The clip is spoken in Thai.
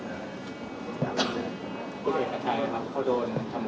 มีการพูดคุยกับนักงานภูมิที่ใหญ่